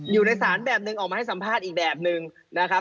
อยู่ในศาลแบบหนึ่งออกมาให้สัมภาษณ์อีกแบบนึงนะครับ